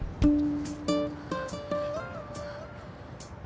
ああ。